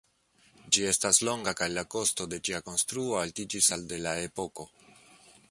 Ĝi estas longa kaj la kosto de ĝia konstruo altiĝis al de la epoko.